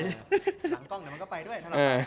หลังกล้องมันก็ไปด้วย